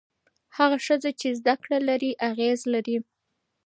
هغه ښځه چې زده کړه لري، اغېز لري.